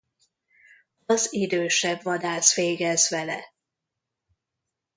Az idősebb vadász végez vele.